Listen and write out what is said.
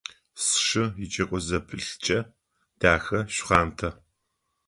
Сшы икӏэко зэпылъ кӏэ, дахэ, шхъуантӏэ.